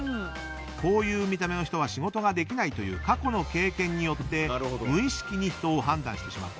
こういう見た目の人は仕事ができないという過去の経験によって無意識に人を判断してしまう。